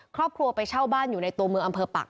ครอบครัวไปเช่าบ้านอยู่ในตัวเมืองอำเภอปัก